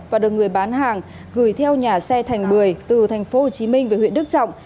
và được người bán hàng gửi theo nhà xe thành bưởi từ tp hcm về huyện đức trọng